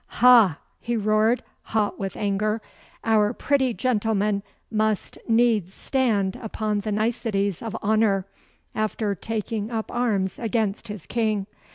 'Ha!' he roared, hot with anger. 'Our pretty gentleman must needs stand upon the niceties of honour after taking up arms against his King.